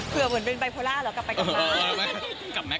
เหมือนเป็นไบโพล่าเหรอกลับไปกลับมา